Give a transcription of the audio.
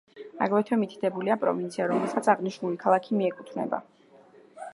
აგრეთვე მითითებულია პროვინცია, რომელსაც აღნიშნული ქალაქი მიეკუთვნება.